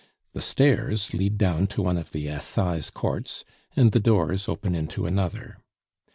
The stairs lead down to one of the Assize Courts, and the doors open into another.